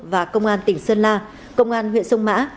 và công an tỉnh sơn la công an huyện sông mã